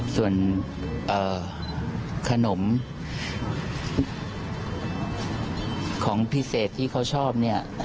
ส่วนขนมของพิเศษที่เขาชอบเนี่ย